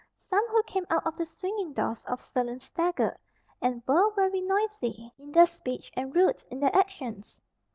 Some who came out of the swinging doors of saloons staggered, and were very noisy in their speech and rude in their actions.